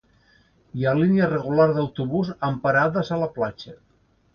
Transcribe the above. Hi ha línia regular d’autobús amb parades a la platja.